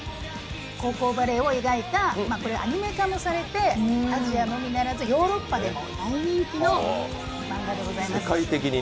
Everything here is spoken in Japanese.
高校バレーを描いたアニメ化もされて、アジアのみならずヨーロッパでも大人気の漫画でございます。